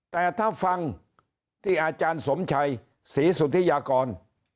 แต่ถ้าฟังที่อาจารย์สมชัยศรีสุธิยากร